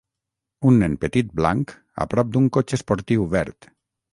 Un nen petit blanc a prop d'un cotxe esportiu verd.